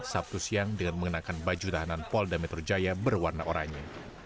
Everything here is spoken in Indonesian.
sabtu siang dengan mengenakan baju tahanan polda metro jaya berwarna oranye